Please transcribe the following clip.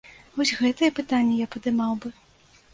Вось гэтыя пытанні я падымаў бы.